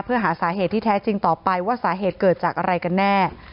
เพื่อหาสาเหตุที่แท้จริงต่อไปว่าสาเหตุเกิดจากอะไรกันแน่